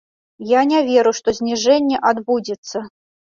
Я не веру, што зніжэнне адбудзецца.